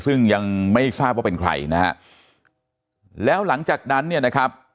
ซึ่งยังไม่ทราบว่าเป็นใครนะฮะแล้วหลังจากนั้นเนี่ยนะครับ